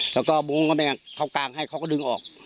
แล้วก็มุ้งก็ไม่อาบน้ำเค้ากางให้เค้าก็ดึงออก